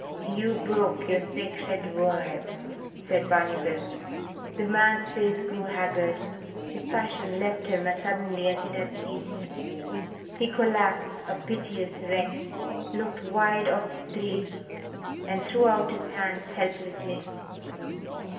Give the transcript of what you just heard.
"You broke your sacred word," said Barney Bill. The man's face grew haggard. His passion left him as suddenly as it had seized him. He collapsed, a piteous wreck, looked wide of the three, and threw out his hands helplessly.